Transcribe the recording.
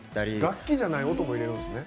楽器じゃない音も入れるんですね。